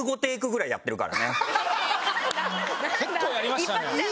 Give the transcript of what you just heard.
結構やりましたね。